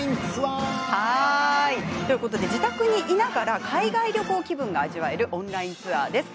自宅にいながら海外旅行気分が味わえるオンラインツアーです。